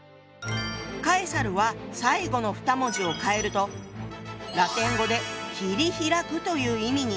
カエサルは最後の２文字を変えるとラテン語で「切り開く」という意味に。